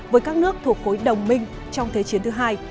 với các nước thuộc khối đồng minh trong thế chiến ii